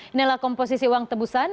inilah komposisi uang tebusan